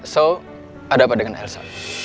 so ada apa dengan elsa